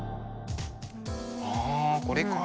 はこれか！